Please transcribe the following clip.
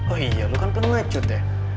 oh iya lo kan pernah ngacut ya